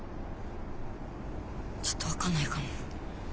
ちょっと分かんないかも。